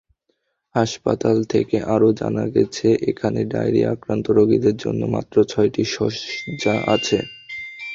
হাসপাতাল থেকে আরও জানা গেছে, এখানে ডায়রিয়া-আক্রান্ত রোগীদের জন্য মাত্র ছয়টি শয্যা আছে।